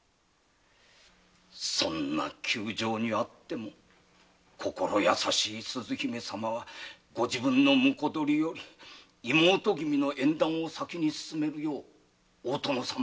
そんな窮状の中で心優しい鈴姫様はご自分の婿取りより妹君の縁談を先に進めるよう大殿様に進言されたのです。